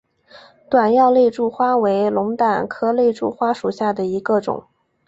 短药肋柱花为龙胆科肋柱花属下的一个种。